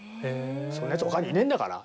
そんなやつほかにいねえんだからみたいな。